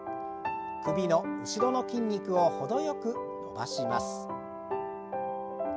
首の後ろの筋肉を程よく伸ばします。